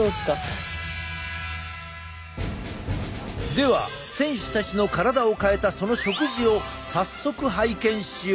では選手たちの体を変えたその食事を早速拝見しよう！